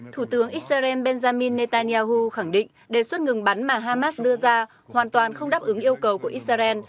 thủ tướng israel benjamin netanyahu khẳng định đề xuất ngừng bắn mà hamas đưa ra hoàn toàn không đáp ứng yêu cầu của israel